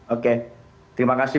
oke terima kasih